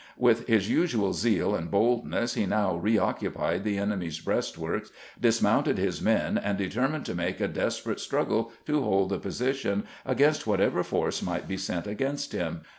With his usual zeal and boldness, he now reoecupied the enemy's breastworks, dismounted his men, and deter mined to make a desperate struggle to hold the position against whatever force might be sent against him.